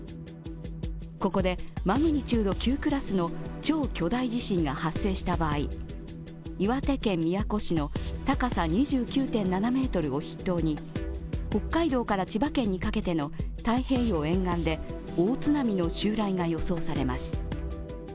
ここでマグニチュード９クラスの超巨大地震が発生した場合岩手県宮古市の高さ２９．７ｍを筆頭に北海道から千葉県にかけての太平洋沿岸で大津波の襲来が予想されます。